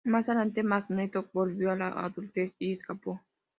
Más adelante, Magneto volvió a la adultez y escapó.